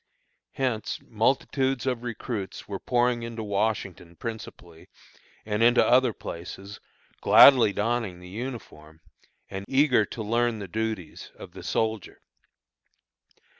Hence multitudes of recruits were pouring into Washington principally, and into other places, gladly donning the uniform, and eager to learn the duties, of the soldier.